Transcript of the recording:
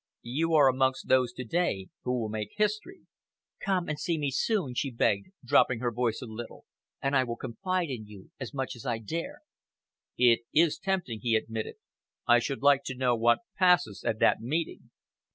You are amongst those to day who will make history." "Come and see me soon," she begged, dropping her voice a little, "and I will confide in you as much as I dare." "It is tempting," he admitted, "I should like to know what passes at that meeting."